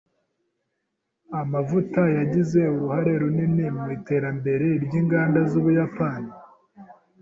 Amavuta yagize uruhare runini mu iterambere ry’inganda z’Ubuyapani.